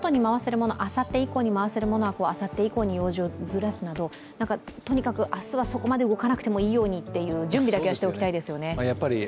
モノ、あさって以降に回せるモノはあさって以降に用事をずらすなどとにかく明日はそこまで動かなくていいように準備だけはしておきたいですね。